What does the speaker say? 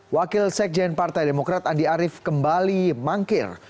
wakil sekjen partai demokrat andi arief kembali mangkir